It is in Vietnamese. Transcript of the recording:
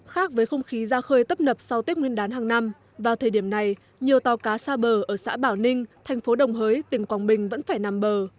khác với không khí ra khơi tấp nập sau tết nguyên đán hàng năm vào thời điểm này nhiều tàu cá xa bờ ở xã bảo ninh thành phố đồng hới tỉnh quảng bình vẫn phải nằm bờ